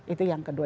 itu yang kedua